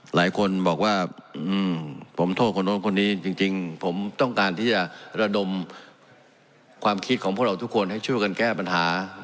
หลายคนบอกว่าผมโทษคนโน้นคนนี้จริงผมต้องการที่จะระดมความคิดของพวกเราทุกคนให้ช่วยกันแก้ปัญหา